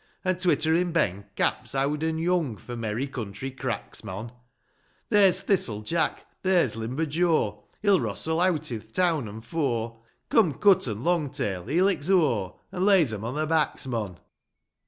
An' twitterin' Ben caps owd an' young For merry country cracks, mon ! There's Thistle Jack ; there's limber Joe,— He'll wrostle aught i'th town an' fo' ; Come cut an' long tail, he licks o'. An' lays 'em o' their backs, mon